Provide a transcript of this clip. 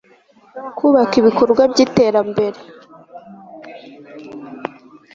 kubaka ibikorwa by iterambere